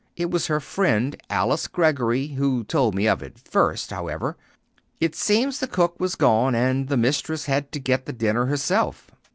It was her friend, Alice Greggory, who told me of it first, however. It seems the cook was gone, and the mistress had to get the dinner herself."